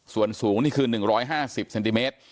ส่วนสูงนี่คือหนึ่งร้อยห้าสิบเซนติเมตร